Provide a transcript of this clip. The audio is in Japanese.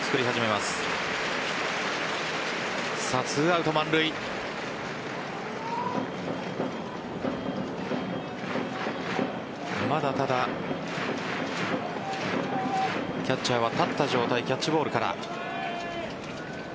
まだキャッチャーは立った状態キャッチボールから。